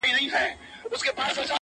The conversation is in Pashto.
رانه هېريږي نه خيالونه هېرولاى نه ســم.